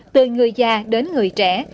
từ người già đến người trẻ